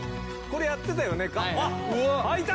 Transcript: これやってたよね？